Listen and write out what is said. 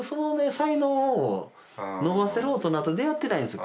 才能を伸ばせる大人と出会ってないんです